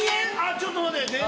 ⁉ちょっと待って。